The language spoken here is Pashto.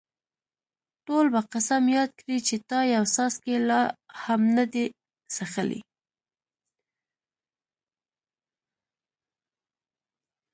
ټول به قسم یاد کړي چې تا یو څاڅکی لا هم نه دی څښلی.